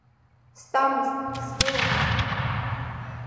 Стәамызт, сгыламызт.